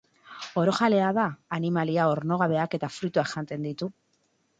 Orojalea da, animalia ornogabeak eta fruituak jaten ditu.